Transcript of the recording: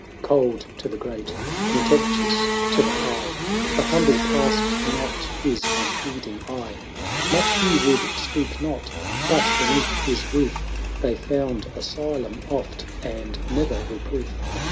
Cold to the great, contemptuous to the high. The humble passed not his unheeding eye; 830 Much he would speak not, but beneath his roof They found asylum oft, and ne'er reproof.